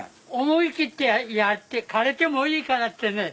思い切ってやって枯れてもいいからってね